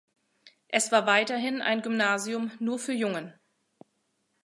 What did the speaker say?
Es war weiterhin ein Gymnasium nur für Jungen.